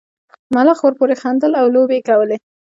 ملخ ورپورې خندل او لوبې یې کولې.